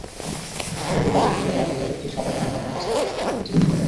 গভীর রাতে খাইয়ারা এলাকায় একটি সাদা রঙের মাইক্রোবাস গাড়িটির গতিরোধ করে।